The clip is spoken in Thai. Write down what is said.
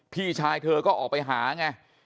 พี่ชายเธอก็ออกไปหาไง